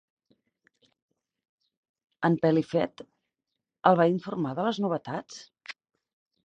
En Pelifet el va informar de les novetats?